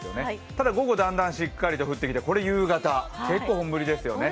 ただ午後だんだん、しっかりと降ってきて、これ夕方結構本降りですよね。